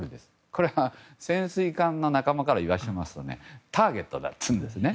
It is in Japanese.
これは潜水艦の仲間から言わせますとターゲットだっていうんですね。